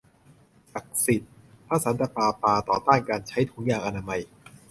ศักดิ์สิทธิ์ ! พระสันตะปาปาต่อต้านการใช้ถุงยางอนามัย